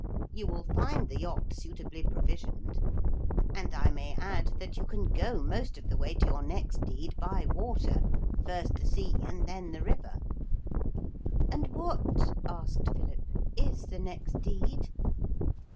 You will find the yacht suitably provisioned. And I may add that you can go most of the way to your next deed by water first the sea and then the river.' 'And what,' asked Philip, 'is the next deed?'